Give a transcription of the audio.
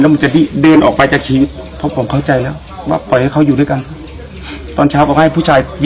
แล้วมันจะเดินออกไป